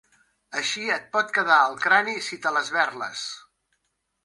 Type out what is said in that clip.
Així et pot quedar el crani si te l'esberles.